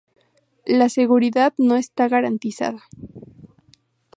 La seguridad no está garantizada.